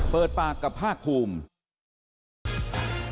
เปิดปากกับภาคภูมิ